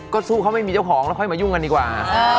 ก็สู้เขาไม่มีเจ้าของแล้วค่อยมายุ่งกันดีกว่า